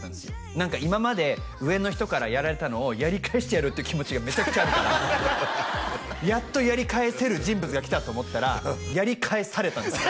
何か今まで上の人からやられたのをやり返してやるって気持ちがメチャクチャあるからやっとやり返せる人物が来たと思ったらやり返されたんです